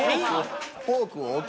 フォークを置け。